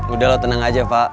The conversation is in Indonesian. udah lo tenang aja pak